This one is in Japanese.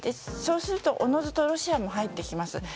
そうするとおのずとロシアも入ってきます。